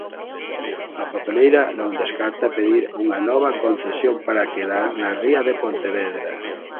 A papeleira non descarta pedir unha nova concesión para quedar na ría de Pontevedra.